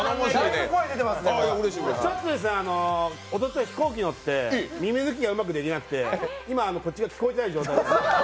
ちょっとおととい、飛行機乗って耳抜きがうまくできなくて、今、こっちが聞こえない状態です。